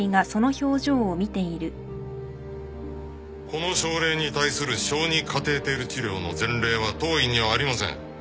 この症例に対する小児カテーテル治療の前例は当院にはありません。